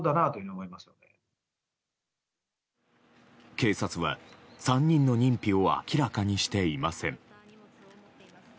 警察は３人の認否を明らかにしていません。